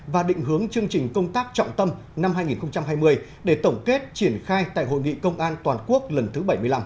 và định hướng chương trình công tác trọng tâm năm hai nghìn hai mươi để tổng kết triển khai tại hội nghị công an toàn quốc lần thứ bảy mươi năm